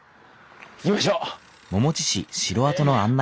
行きましょう。